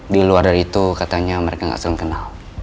di luar dari itu katanya mereka gak selalu kenal